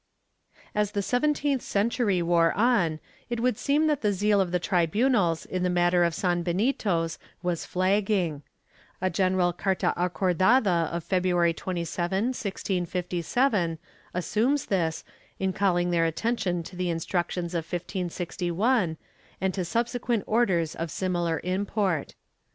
As the seventeenth century wore on, it would seem that the zeal of the tribunals in the matter of sanbenitos was flagging. A general carta acordada of February 27, 1657, assumes this, in calling their attention to the Instructions of 1561 and to sub sequent orders of similar import.